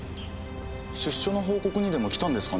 出所の報告にでも来たんですかねぇ。